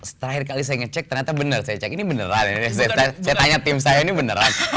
terakhir kali saya ngecek ternyata benar saya cek ini beneran ini saya tanya tim saya ini beneran